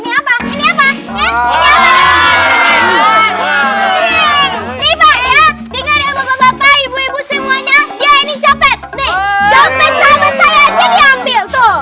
nih copet sahabat saya aja diambil